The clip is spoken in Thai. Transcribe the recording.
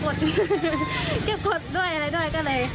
ก็เก็บกดด้วย